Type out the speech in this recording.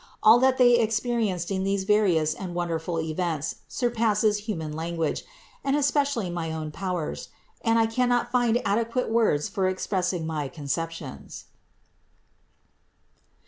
All that they experi enced in these various and wonderful events surpasses human language, and certainly my own powers, and I cannot find adequate words for expressing my con ceptions.